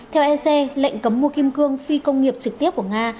theo ec lệnh cấm mua kim cương phi công nghiệp trực tiếp của nga